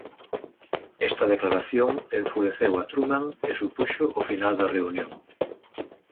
Esta declaración enfureceu a Truman e supuxo o final da reunión.